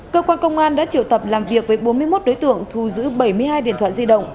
cơ quan công an đã triệu tập làm việc với bốn mươi một đối tượng thu giữ bảy mươi hai điện thoại di động